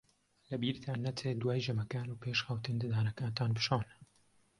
لەبیرتان نەچێت دوای ژەمەکان و پێش خەوتن ددانەکانتان بشۆن.